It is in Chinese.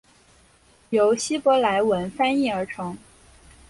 由希伯来文翻译而成。